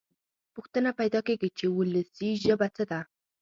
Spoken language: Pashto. پوښتنه پیدا کېږي چې وولسي ژبه څه ده.